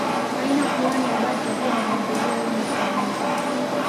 Aina fulani ya bata huwa wanaogelea humo kwa wingi